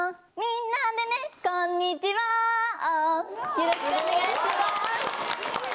よろしくお願いします！